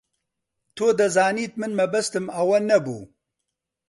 تۆ دەزانیت من مەبەستم ئەوە نەبوو.